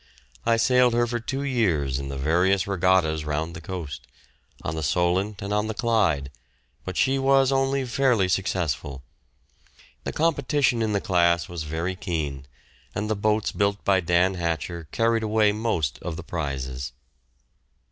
I sailed her for two years in the various regattas round the coast, on the Solent and on the Clyde, but she was only fairly successful. The competition in the class was very keen, and the boats built by Dan Hatcher carried away most of the prizes.